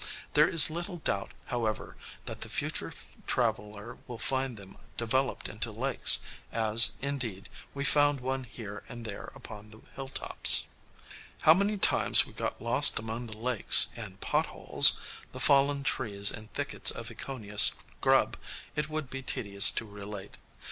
There is little doubt, however, that the future traveller will find them developed into lakes, as, indeed, we found one here and there upon the hilltops. [Illustration: "THE ONLY GIRL IN THE PLACE."] How many times we got lost among the lakes and "pot holes," the fallen trees and thickets of Ekoniah Scrub, it would be tedious to relate.